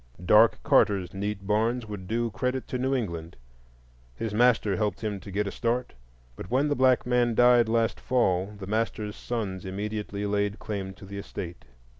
Dark Carter's neat barns would do credit to New England. His master helped him to get a start, but when the black man died last fall the master's sons immediately laid claim to the estate.